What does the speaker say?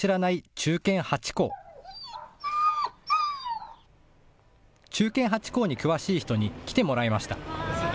忠犬ハチ公に詳しい人に来てもらいました。